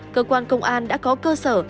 cơ quan công an đã có cơ sở